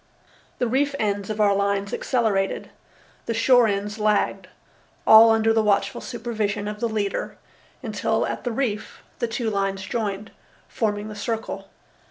The reef ends of our lines accelerated, the shore ends lagged, all under the watchful supervision of the leader, until at the reef the two lines joined, forming the circle.